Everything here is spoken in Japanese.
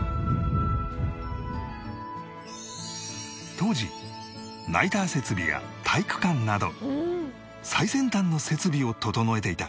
当時ナイター設備や体育館など最先端の設備を整えていた